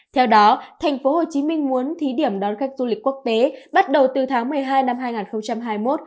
theo đó tp hcm muốn thí điểm đón khách du lịch quốc tế bắt đầu từ tháng một mươi hai năm hai nghìn hai mươi một